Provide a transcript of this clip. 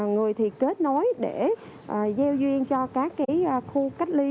người thì kết nối để gieo duyên cho các cái khu cách ly